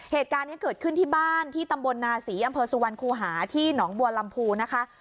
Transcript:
เหตุการณ์นี้เกิดขึ้นที่บ้านที่ตำบลนาศรีอำเภอสุวรรณคูหาที่หนองบัวลำพูนะคะ